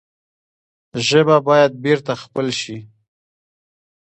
ژبه باید بېرته خپل شي.